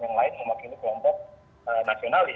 yang lain mewakili kelompok nasionalis